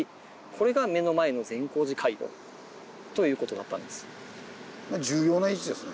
これが目の前の善光寺街道ということだったんです。